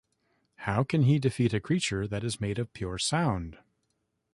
How can he defeat a creature that is made of pure sound?